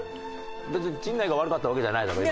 だって陣内が悪かったわけじゃないだろ？